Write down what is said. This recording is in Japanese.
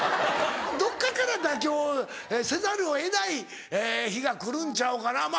どっかから妥協せざるを得ない日が来るんちゃうかな。